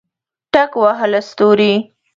ټک وهله ستوري